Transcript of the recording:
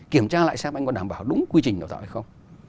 kiểm tra lại xem anh có đảm bảo đúng quy trình đào tạo hay không